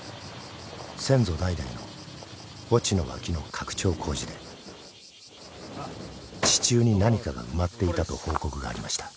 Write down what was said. ［先祖代々の墓地の脇の拡張工事で地中に何かが埋まっていたと報告がありました］